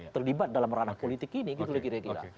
terlibat dalam ranah politik ini gitu loh kira kira